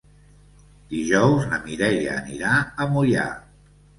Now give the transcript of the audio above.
Dijous na Mireia anirà a Moià.